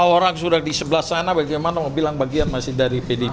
lima orang sudah di sebelah sana bagaimana mau bilang bagian masih dari pdip